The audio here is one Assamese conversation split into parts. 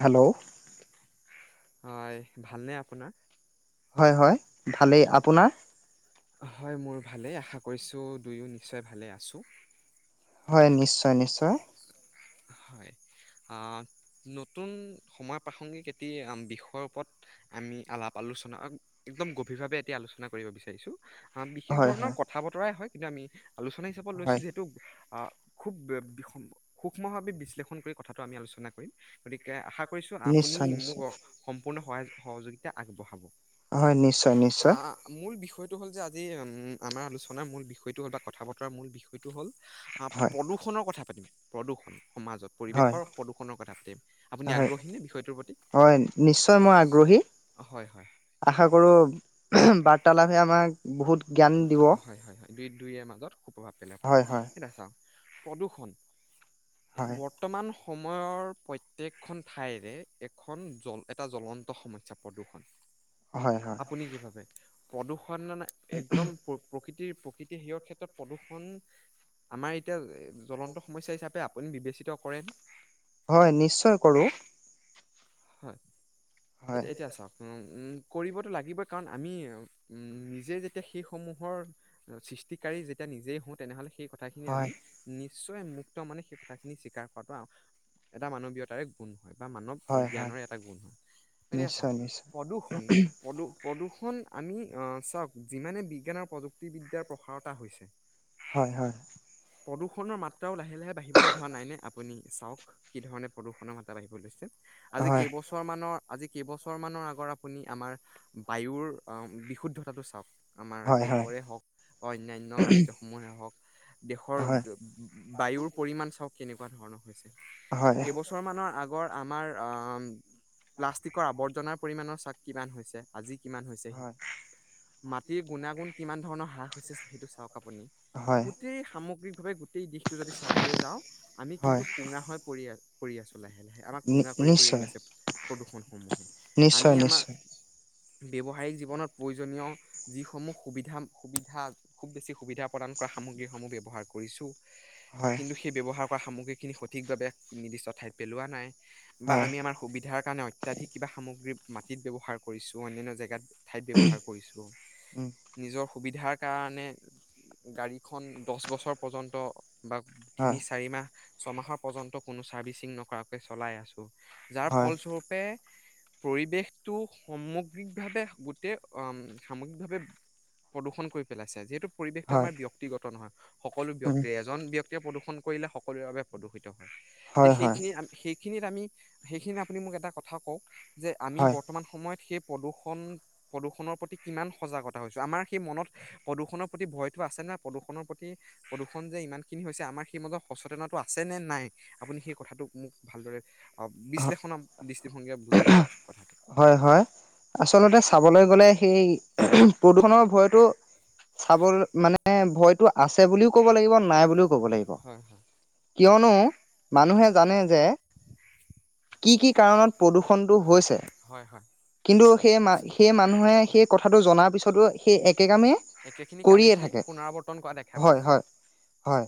হেল্ল' হয় ভালনে আপোনাৰ হয় হয় ভালেই আপোনাৰ হয় মোৰ ভালেই আশা কৰিছোঁ দুয়ো নিশ্চয় ভালে আছোঁ হয় নিশ্চয় নিশ্চয় হয় নতুন সময় প্ৰসংগিক এটি বিষয়ৰ ওপৰত আমি আলাপ আলোচনা একদম গভীৰভাৱে এটি আলোচনা কৰিব বিচাৰিছোঁ অ বিশেষ হয় ধৰণৰ হয় কথা বতৰাই হয় যামি আলোচনা হিচাপত লৈছো হয় যিহেতু অহ খুব সুক্ষ্ম ভাৱে বিশ্লেষণ কৰি কথাটো আমি আলোচনা কৰিম গতিকে আশা আপুনি নিশ্চয় নিশ্চয় মোক সম্পূৰ্ণ সহায় সজুক সহযোগিতা আগবঢ়াব হয় নিশ্চয় নিশ্চয় এইটো হ'ল যে আজি উম আলোচনাৰ মূল বিষয়টো হ'ল বা কথা বতৰা মূল বিষয়টো হ'ল অ হয় প্ৰদূষণৰ কথা পাতিম প্ৰদূষণ সমাজত হয় পৰিৱেশৰ প্ৰদূষণৰ কথাম আপুনি হয় আগ্ৰহী নে বিষয়টোৰ প্ৰতি হয় নিশ্চয় মই আগ্ৰহী হয় হয় আশা কৰো বাৰ্তালাপে আমাক বহুত জ্ঞান দিব হয় হয় দুই দুই মাজত সু প্ৰভাৱ পেলাই হয় হয় সেই চাও প্ৰদূষণ হয় বৰ্তমান সময়ৰ প্ৰত্যয়েকখন ঠাইৰে এখন জ এটা জ্বলন্ত সমস্যা প্ৰদূষণ হয় হয় আপুনি কি ভাবে প্ৰদূষণ একদম প্ৰকৃতিৰ, প্ৰকৃতি সেইৰ ক্ষেত্ৰত প্ৰদূষণ আমাৰ এতিয়া জলন্ত সমস্যা হিচাপে আপুনি বিবেচিত কৰে নে? হয় নিশ্চয় কৰো। হয়। এ হয় এতিয়া চাওক, উম কৰিবতো লাগিব। কাৰণ আমি নিজে যেতিয়া সেইসমূহৰ সৃষ্টিকাৰী যেতিয়া নিজেই হওঁ তেনেহ'লে সেই কথাখিনি হয় আমি নি [inaudible] ক্ত মানে সেই কথাখিনি স্বীকাৰ কৰাটো এটা মানৱীয়তাৰে গুণ। হয়, বা মানৱ হয় হয় জ্ঞানৰে এটা গুণ হয় গতিকে, চাওক নিশ্চয় নিশ্চয় প্ৰদূষণ প্ৰদূৰ্ষণ আমি চাওক যিমানে বিজ্ঞান আৰু প্ৰযুক্তিবিদ্যাৰ প্ৰসাৰতা হৈছে। হয়, হয়। প্ৰদূষণ মাত্ৰাও লাগে। লাহে লাহে বাঢ়িবলৈ ধৰা নাই নে আপুনি চাওক কি ধৰণে প্ৰদূষণৰ মাতা বাঢ়িব লৈছে। আজি হয় কেইবছৰ মানৰ আজি কেইবছৰ মানৰ আগৰ আপুনি আমাৰ বায়ুৰ বিশুদ্ধতাটো চাওক। আমাৰ হয় হয় দেশৰে হওক, বা অন্যান্য ৰাজ্যসমূহে হওক দেশৰ হয় বায়ুৰ পৰিমাণ চব কেনেকুৱা ধৰণৰ। হয় কেইবছৰ মানৰ আগত আমাৰ প্লাষ্টিকৰ আৱৰ্জনাৰ পৰিমাণ চাক কিমান হৈছে। আজি কিমান হৈছেহি। মাটিৰ গুণাগুণ কিমান ধৰণৰ হ্ৰাস হৈছে সেইটো চাওক। আপুনি হয় হয় গোটেই সামগ্ৰী। গোটেই যদি চাবলৈ যাওঁ আমি হয় কিন্তু কোঙা হৈ পৰি আছো। কৰি আছো। লাহে লাহে আমাক কুঙা কৰি কৰি নিশ্চয় গইছে প্ৰদূষণ সমূহে, নিশ্চয় আমি আমাৰ নিশ্চয় ব্যৱহাৰিক জীৱনত প্ৰয়োজনীয় যিসমূহ সুবিধা, সুবিধা খুব বেছি সুবিধা প্ৰদান কৰা সামগ্ৰীসমূহ ব্য্ৱহাৰ কৰিছো। হয় কিন্তু সেই ব্যৱহাৰ খোৱা সামগ্ৰীখিনি সঠিকভাৱে নিৰ্দিষ্ট ঠাইত পেলোৱা নাই। বা হয় আমি আমাৰ সুবিধাৰ কাৰণে অতয়ধিক কিবা সামগ্ৰী মাটিত ব্যৱহাৰ কৰিছো অনান্য জেগাত। ঠাইত ব্যৱহাৰ কৰিছো উম নিজৰ সুবিধাৰ কাৰণে গাড়ীখন দচ-বছৰ পৰ্যন্ত, বা', তিনি হয় চাৰি মাহ ছমাহৰ পৰ্যন্ত কোনো চাৰ্ভিচিং নকৰাকে চলাই আছো। যাৰ হয় ফলস্বৰূপে, পৰিৱেশটো সমগ্ৰিকভাৱে গোটেই অ', সামগ্ৰিকভাৱে প্ৰদূষন কৰি পেলাইছে, যিহেতু পৰিৱেশটো হয় আমাৰ ব্যক্তিগত নহয়। সকলো উম ব্যক্ত, এজন ব্যক্তিয়ে প্ৰদূষণ কৰিলে সকলোৰে বাবে প্ৰদূষিত হয়, তে', হয় হয় সেইখিনি-সেইখিনিত আমি সেইখিনি আপুনি মোক এটা কথা কওক? যে', আমি হয় বৰ্তমান সময়ত সেই, প্ৰদূষণ- প্ৰদূষণৰ প্ৰতি খন যে ইমান খিনি হৈছে। আমাৰ সেই মাজত সচেতনটো আছে নে', নাই আপুনি সেই কথাটোক মোক ভালদৰে বিশ্লেষণ দৃষ্টিভংগীৰে বুজাই কওকচোন কথাটো হয়-হয় আচলতে চাবলৈ গলে সেই প্ৰদূষণৰ ভয়তটো চাব মানে ভয়তটো আছে বুলিও ক'ব লাগিব নাই বুলিও ক'ব লাগিব হয় হয় কিয়নো মানুহে জানে যে', কি', - কি', কাৰণত প্ৰদূষণটো হৈছে, হয় হয় কিন্তু সেই সেই মানুহে সেই কথা কথাটো জনাৰ পিছতো, সেই এক', হেইকামে একেখিনি কৰিয়ে কামেকেই থাকে পুনৰাৱৰ্তন কৰা দেখা পোৱা হয়- যায় হয়- হয়।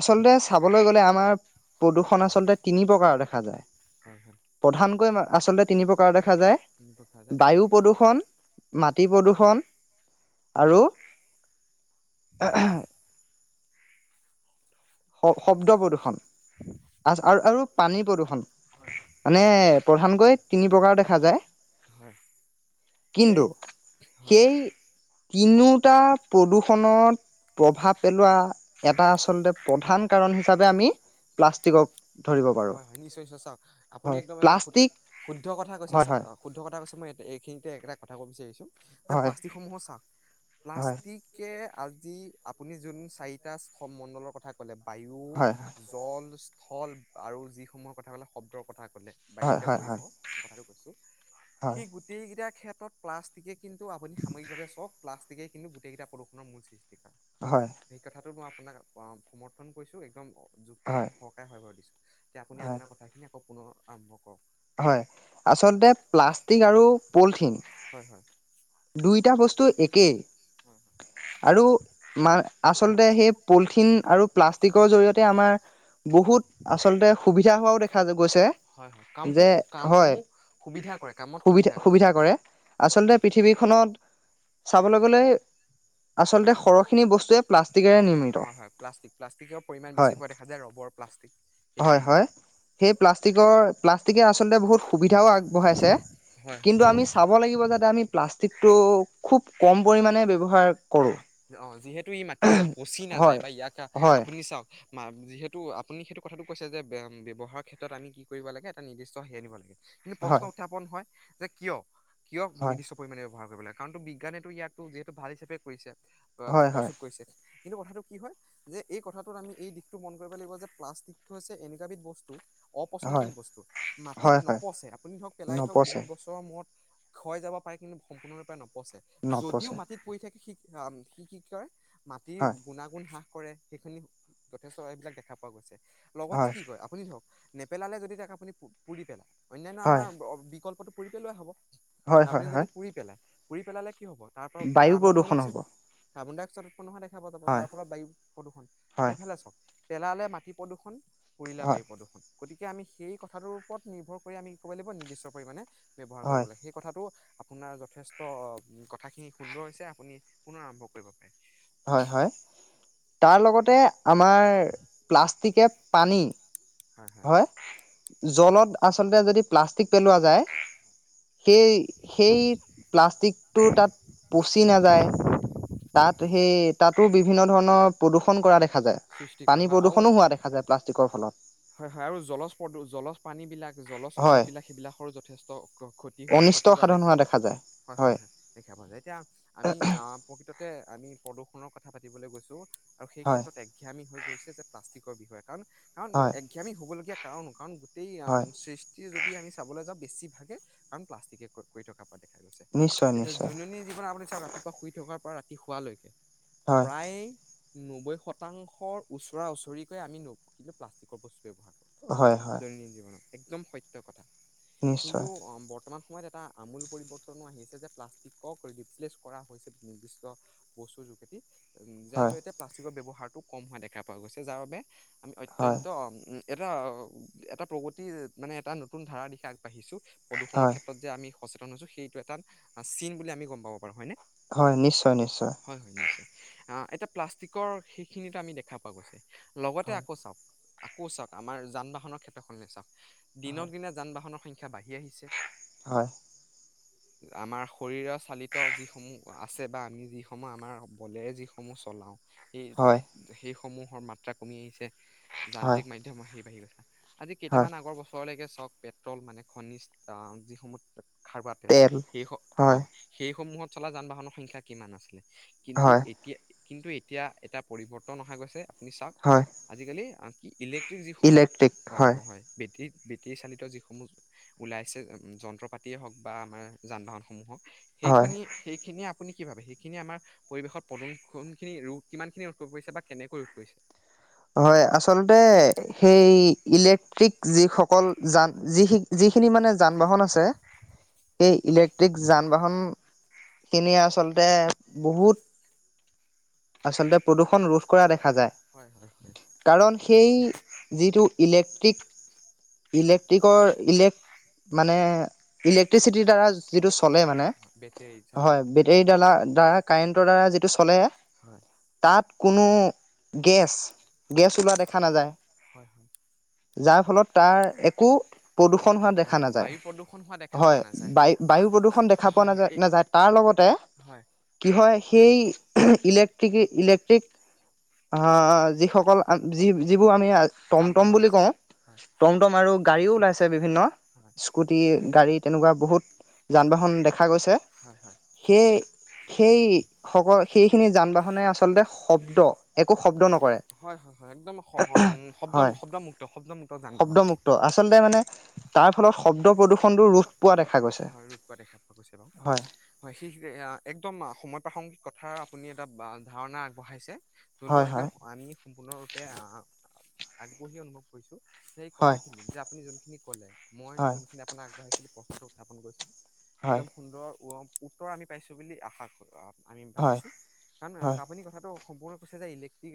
আচলতে চাবলৈ গ'লে আমাৰ প্ৰদূষণ আচলতে তিনি- প্ৰকাৰৰ দেখা যায়। প্ৰধানকৈ আচলতে তিনি প্ৰকাৰৰ দেখা যায় বায়ু প্ৰদূষণ, মাটি প্ৰদূষণ আৰু [unintelligible] শ শব্দ প্ৰদূৰ্ষণ আৰু আৰু পানী প্ৰদূৰ্ষন হয়। মানে প্ৰধানকৈ তিনি প্ৰকাৰ দেখা যায়। হয় দেই কিন্তু হয় সেই তিনিওটা প্ৰদূষন ফোনত প্ৰভাৱ পেলোৱা এটা আচলতে, প্ৰধান কাৰণ হিচাপে আমি প্লাষ্টিকক, ধৰিব পাৰো হয়', -হয়', নিশ্চয়-নিশ্চয় চাওক আপুনি হয় একদম এটা প্লাষ্টিক শুদ্ধ কথা কৈছে, হয় হয় অহ', শুদ্ধ কথা কৈছে। মই এইখিনিতে একেটা কথা কব বিচাৰিছোঁ, যে', হয় প্লাষ্টিক সমূহৰ চাক হয় প্লাষ্টিকে আজি আপুনি যোন চাৰিটা সম- মণ্ডলৰ কথা ক'লে, বায়ু হয় জল, ফল। আৰু যিসমূহৰ কথা ক'লে শব্দৰ কথা, হয় বায়ুতে হয় হয় পৰিব হয় কথাটো কৈছো, সি গোটেইকেইটা খেত, প্লাষ্টিকে, কিন্তু আপুনি সাময়িকাৱে চওক প্লাষ্টিক, গতিকে কিন্তু গোটেইটা প্ৰদুষণৰ মুলচিন। হয় মই আপোনাক সমৰ্থন কৰিছো একদম যুক্তিত হয় সহকায় হয়ভৰ দিছে যে আপুনি হয় আপোনাৰ কথা খিনি পুনৰ আৰম্ভ কৰক হয় আচলতে প্লাষ্টিক আৰু পলিথিন হয় হয়। দুইটা বস্তু তো একেই হয় হয়। আৰু মা আচলতে সেই পলিথি থিন আৰু প্লাষ্টিকৰ জৰিয়তে আমাৰ বহুত আচলতে সুবিধা হোৱাও দেখা গৈছে হয় হয় কাম যে হয় কামসমূহ সুবিধা কৰে কামত সুবিধা কৰে আচলতে হয় পৃথিৱীখনত চাবলৈ গলে আচলতে সৰহখিনি বস্তুৱে প্লাষ্টিকেৰে নিৰ্মিত হয় হয় প্লাষ্টিক প্লাষ্টিকৰ পৰিমাণ বেছি হয় পোৱা দেখা যায় ৰবৰ প্লাষ্টিক এইসমূহ হয় সেই প্লাষ্টিকৰ প্লাষ্টিকে আছে প্লাষ্টিকে আচলতে বহুত সুবিধাও আগবঢ়াইছে হয় হয়। কিন্তু আমি চাব লাগিব। যাতে আমি প্লাষ্টিক টিক তৌ, খুব কম পৰিাণে ব্যৱহাৰ কৰোঁ। অ যিহেতু ই মাটিত পচি নাযায় হয়, বা ইয়াক হয় আপুনি চাওক মা যিহেতু আপুনি সেইটো কথাটো কৈছে। যে ব্যৱহাৰৰ ক্ষেত্ৰত আমি কি কৰিব লাগে। এটা নিৰ্দিষ্ট হেৰি আনিব লাগে। কিন্তু প্ৰশ্ন হয় উত্থাপন হয়। যে কিয়? কিয়? হয় নিৰ্দিষ্ট পৰিমাণে ব্যৱহাৰ কৰা। লাগে কাৰণটো। জ্ঞানেতো ইয়াতো যিহেতু ভাল হিচাপে কৰিছে। অ হয় হয় প্ৰস্তুত কৰিছে। কিন্তু কথাটো কি হয়। যে এই কথাটোত আমি এই দিশটো মন কৰিব লাগিব। যে প্লাষ্টিক হৈছে এনেকুৱা এবিধ বস্তু। অপচনশীল হয় বস্তু মাটিত হয় হয় নপছে। আপুনি ধৰক পেলাই থওক নপচে বহুত বছৰৰ মূৰত। ক্ষয় যাব পাৰে। কিন্তু সম্পূৰ্ণৰূপে নপচে। যদিও নপচে মাটিত পৰি থাকে। সি শিক্ষা কি কি কয়। মাটিৰ হয় গুণাগুণ হ্ৰাস। কৰে সেইখিনি যথেষ্ট এইবিলাক দেখা পোৱা। গৈছে লগতে হয় কি কয়। আপুনি ধৰক নেপেলালে যদি তাক আপুনি পুৰি পেলায়। অনান্য আমাৰ হয় অ বিকল্পটো। পুই পেলোৱা হ'ব। হয় হয় আপুনি যদি হয় পুৰি পেলাই। পুৰি পেলালে। কি হ'ব তাৰ পৰা বায়ু কাৰ্বন প্ৰদূষণ মনক্সাইড। হ'ব কাৰ্বন ডাই অক্সাইডৰ উৎপন্ন হোৱা। দে খাব যাব। হয় যাৰ ফলত বায়ু প্ৰদূষণ হয় এইফালে চক পেলালে মাটি প্ৰদূষণ। কৰিলা হয় বায়ু প্ৰদূৰষণ। গতিকে আমি সেই কথাটোৰ ওপৰত নিৰ্ভৰ কৰি আমি ক'ব লাগিব। নিৰ্দিষ্ট পৰিমাণে ব্যৱহাৰ কৰিব হয় লাগে। সেই কথাটো আপোনাৰ যথেষ্ট অ। কথাখিনি সুন্দৰ হৈছে। আপুনি পুনৰ আৰম্ভ কৰিব পাৰে। হয়, হয় তাৰ লগতে আমাৰ প্লাষ্টিকে পানী। হয়, হয় জলত আচলতে যদি প্লাষ্টিক পেলোৱা যায় সেই সেই প্লাষ্টিকটো তাত পচি নাযায় তাত সেই তাতো বিভিন্ন ধৰণৰ প্ৰদূষণ কৰা দেখা দেখা যায় সৃষ্টি কৰে পানী হয় আৰু প্ৰদূষণো হোৱা দেখা যায় প্লাষ্টিকৰ ফলত হয় হয় আৰু জলচ পানী বিলাক জলচ উদ্ভিদ হয় বিলাক সেইবিলাকৰো যথেষ্ট ক্ষতি কৰা দেখা যায় য হয় হয় হয় দেখা পোৱা যায় এতিয়া আমি প্ৰকৃততে আমি প্ৰদূৰষণৰ কথা পাতিবলৈ গৈছো আৰু সেই হয় ক্ষেত্ৰত একঘামী হৈ গৈছে যে প্লাষ্টিক বিষ বিষয় কাৰণ কাৰণ হয় এঘামী হ'বলগীয়া কাৰণো কাৰণ গোটেই হয় সৃষ্টি যদি আমি চাবলৈ যাওঁ বেছি ভাগে কাৰন প্লাষ্টিকে ক্ষতি কৰা দেখা নিশ্চয় এতিয়া নিশ্চয় দৈনন্দিন জীৱন আপুনি চাক ৰাতিপুৱা শুই থকাৰ পৰা ৰাতি শোৱালৈকে হয় প্ৰায় নবৈ শতাংশৰ ওচৰা ওচৰিকৈ আমি কিন্তু প্লাষ্টিক ক'ব হয় হয় একদম সত্য কথা নিশ্চয় কিন্তু বৰ্তমান সময়ত এটা আমূল পৰিবৰ্তনো আহিছে যে প্লাষ্টিকক ৰিপ্লেচ কৰা হৈছে নিৰ্দিষ্ট বস্তুৰ যোগেদি যাৰ হয় জৰিয়তে প্লাষ্টিকৰ ব্যৱহা ভাৰটো কম হোৱা দেখা পোৱা গৈছে যাৰ বাবে। আমি হয় অত্যন্ত। উ এটা, এটা প্ৰগতিৰ মানে এটা নতুন ধাৰা দিশে আগবাঢ়িছো। প্ৰদূষণৰ হয় ক্ষেত্ৰত যে আমি। সচেতন হৈছো, সেইটো এটা চীন বুলি আমি গম পাব পাৰো হয়নে? হয়, নিশ্চয়-নিশ্চয়। অ' এটা প্লাষ্টিকৰ সেইখিনিত আমি দেখা পোৱা গৈছে। লগতে হয় আকৌ চাওক। আকৌ চাওঁক, আমাৰ যান-বাহনৰ ক্ষেত্ৰখনলে চাওঁক। দিনক হয় দিনে যান-বাহনৰ সংখ্যা - খ্যা বাই। কি আহিছে। হয় আমাৰ শৰীৰ চালিত যিসমূহ আছে বা আমি যিসমূহ আমাৰ বলেৰে যিসমূহ চলাও। হয় সেই-সেই। সমূহৰ মাত্ৰা কমি আহিছে। হয় যান্ত্ৰিক মাধ্যম বাঢ়ি বাঢ়ি গৈ। আজি হয় কেইামান আগৰ বছৰলৈকে। হক পেট্ৰল মানে খনিজ আহ যিসমূহ। খাৰুৱা তেল সেই হয় অ'সেইসমূহত। চলা যান-বাহনৰ সংখ্যা কিমান আছিলে? কিন্তু হয় এতিয়া। কিন্তু এতিয়া এটা পৰিৱৰ্তন অহা গৈছে। আপুনি চাওক হয় আজিকালি কি ইলেক্ট্ৰিক যিসমূহ অ হয় বেটেৰী। বেটী চালিত যিসমূহ ওলাইছে যন্ত্ৰ পাতিয়ে হওক বা আমাৰ যান-বাহনসমূহ হওক। হয়, সেইখনি সেইখিনিয়ে আপুনি কি ভাবে সেইখিনিয়ে আমাৰ পৰিৱেশত প্ৰদূষণখিনি ৰোধ কিমানখিনি ৰোধ কৰিব পাৰিছে বা কেনেকৈ ৰোধ কৰিছে হয় আচলতে - আচলতে সেই ইলেক্ট্ৰিক যিসকল যান যি। যিখিনি মানে যান-বাহন আছে সেই ইলেক্ট্ৰিক যান। বাহন খিনি আচলতে বহুত। আচলতে প্ৰদূষণ। ষণ ৰোধ কৰা দেখা যায়। হয় হয় কাৰণ সেই যিটো- ইলেক্ট্ৰিক, ইলেক্ট্ৰিকৰ ইলেক মানে। ইলেকট্ৰিচিটিৰ দ্বাৰা যিটো চলে মানে বেটেৰী চালিত হয় বেটৰী দ্বালা দ্বাৰা কাৰেণ্টৰ দ্বাৰা যিটো চলে হয় তাত কোনো গেছ হয় গেছ ওলোৱা দেখা নাযায় হয় হয়। যাৰ ফলত তাৰ একো প্ৰদূষণ হোৱা দেখা অ' নাযায় বায়ু প্ৰদূষণ হোৱা দেখা পোৱা হয় নাযায়। বায়ু বায়ু প্ৰদূষণ দেখা দেখা হয় হয় পোৱা এই নযাই তাৰ লগতে হয় কি হয় সেই ইলেক্ট্ৰনিক অঁ যিসকল আ যি যিবোৰ আমি যান টমটম বাহন বুলি আছে কওঁ হয় টমটম আৰু গাড়ীও ওলাইছে বিভিন্ন স্কুটি গাড়ী তেনেকুৱা বহুত যান বাহন দেখা দেখা গৈছে হয় হয় সেই সেই সেইখিনি যান বাহনে আচলতে শব্দ একো শব্দ নকৰে হয় হয় হয় হয় একদম শব্দ হয় শব্দমুক্ত শব্দমুক্ত যান বাহন শব্দমুক্ত আচলতে মানে তাৰ ফলত শব্দ প্ৰদূষণটো ৰোধ পোৱা দেখা গৈছে হয় ৰুপ পোৱা দেখা গৈছে হয় সেই একদম সময় প্ৰাসংগ কথাৰ আপুনি এটা ধাৰণা আগবঢ়াইছে যোনটো হয় একদম হয় আমি সম্পূৰ্ণৰূপে আহ আগবাঢ়ি অনুভৱ কৰিছো সেই হয় কথাখিনিত যে আপুনি যোনখিনি কলে মই হয় যোনখিনি আপোনাক আগবঢ়াইছিলো স্থাপন কৰিছিলোঁ হয় একদম সুন্দৰ উৰ্ৱক উত্তৰ আমি পাইছো বুলি আশা কৰো আমি হয় ভাবিছো কাৰণ হয় আপুনি কথাটো সম্পূৰ্ণ কৈছে যে ইলেক্ট্ৰিক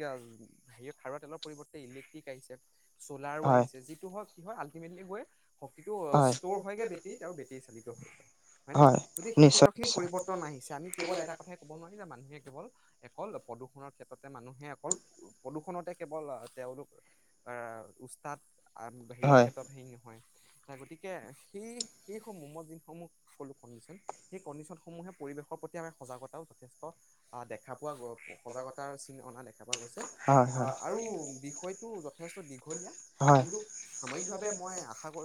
হে খাৰুৱা তেলৰ পৰিবৰ্তে ইলেক্ট্ৰিক আহিছে চ'লাৰো হয় আহিছে যিটো হওক কি হয় আলটিমেটলি গৈ শক্তিটো হয় ষ্টৰ হয়গে বেটীত বেটী চালিত হৈ হয় ন গতিকে সেই ক্ষেত্ৰ নিশ্চয় খিনি নিশ্চয় পৰিৱৰ্তন আহিছে আমি কেৱল এটা কথাই ক'ব নোৱাৰি যে মানুহে কেৱল অকল প্ৰদূষণৰ ক্ষেত্ৰত মানুহে অকল প্ৰদূষণতে কেৱল তেওঁলোক এ উস্তাদ আৰু হেৰিৰ হয় ক্ষেত্ৰত হেৰি নহয় গতিকে সেই সেইসমূ মমৰ যিসমূহ ক'লো কণ্ডিশ্যন সেই কণ্ডিশ্যনসমূহে পৰিৱেশৰ প্ৰতি আমি সজাগতাও যথেষ্ট দেখা পোৱা গ সজাগতাৰ চিন অনা দেখা পোৱা গৈছে হয় হয় হয় আহ আৰু বিষয়টো যথেষ্ট দীঘলীয়া কিন্তু সাময়িকভাৱে মই আশা কৰ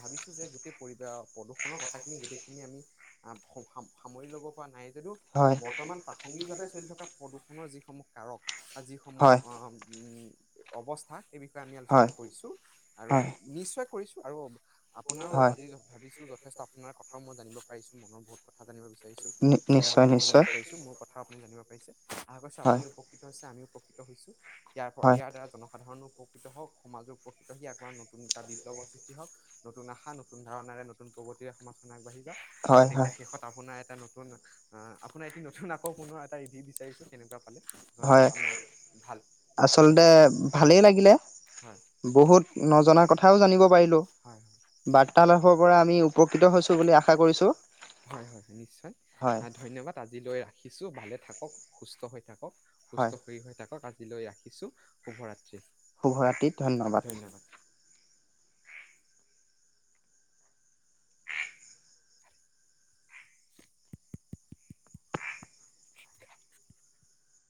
ভাবিছো যে গোটেই বা প্ৰদূষণৰ কথাখিনি গোটেইখিনি আমি [inaudible] সামৰি লব পৰা নাই যদিও হয় বৰ্তমান প্ৰাসংগিকভাৱে চলি থকা প্ৰদূষণৰ যিসমূহ কাৰক যিসমূহ হয় অ' অৱস্থা সেই বিষয়ে আমি আলোচনা হয় কৰিছো আৰু হয় নিশ্চয় কৰিছো আৰু আপোনাৰো হয় ভাবিছো। যথেষ্ট আপোনাৰ কথাও মই জানিব পাৰিছো মনৰ বহু কলকথা জানিব বিচাৰিছোঁ। নিশ্চয় পাৰিছো নিশ্চয় জানিব পাৰিছো মোৰ কথা আপুনি জানিব পাৰিছে। পাৰিছে। আশা কৰিছো হয় আপুনি উপকৃত হৈছে আমিও উপকৃত হৈছো। ইয়াৰ পৰা হয় ইয়াৰ দ্বাৰা জনসাধাৰণো। উপকৃত হওক সমাজক উপকৃত সিয় এবাৰ নতুন এটা বিপ্লৱ সৃষ্টি হওক নতুন আশা নতুন নতুন ধাৰণাৰে নুনগতিৰে সমখন আগবাঢ়ি হয় হয় গতিকে শেষত আপোনাৰ এটা নতুন নতুন আপোনাৰ এটি নতুন আকৌ ফোনৰ এটা ৰিভিউ বিচাৰিছো কেনেকুৱা পালে জনাওক হয় আমাৰ ভাল লাগে আচলতে ভালেই লাগিলে। হয় বহুত নজনা কথাও জানিব পাৰিলো বাৰ্তালাপৰ পৰা আমি উপকৃত হৈছো বুলি আশা কৰিছো - হয় - হয় নিশ্চয় হয় ধন্যবাদ আজিলৈ কিছু ভালে থাকক সুস্থ হৈ থাক থাকক সুস্থ হয় হৈ হৈ থাকক আজ আজিলৈ ৰাখিছো শুভৰাত্ৰি। শুভৰাত্ৰি ধন্যবাদ।